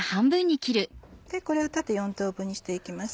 これを縦４等分にして行きます。